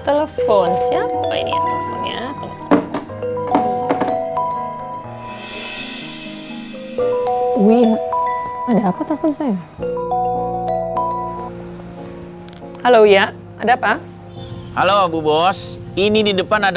telepon siapa ini teleponnya win ada apa telepon saya halo ya ada apa halo aku bos ini di depan ada